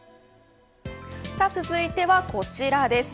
続いては、こちらです。